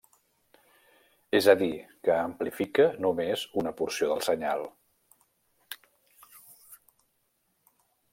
És a dir, que amplifica només una porció del senyal.